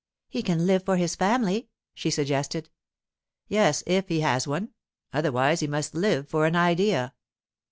'He can live for his family,' she suggested. 'Yes, if he has one. Otherwise he must live for an idea.